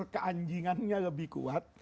keanjingannya lebih kuat